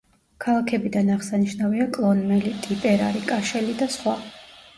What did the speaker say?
ქალაქებიდან აღსანიშნავია კლონმელი, ტიპერარი, კაშელი და სხვა.